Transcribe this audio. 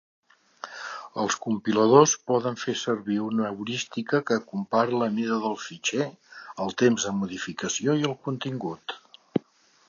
Els compiladors poden fer servir una heurística que compara la mida del fitxer, el temps de modificació i el contingut.